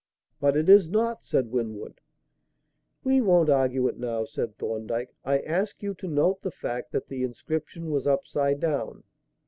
"But it is not," said Winwood. "We won't argue it now," said Thorndyke. "I ask you to note the fact that the inscription was upside down.